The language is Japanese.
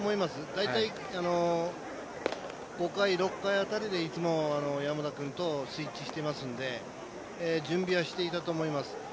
大体、５回、６回辺りでいつも山田君とスイッチしてますので準備はしていたと思います。